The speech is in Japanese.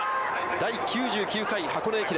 第９９回箱根駅伝。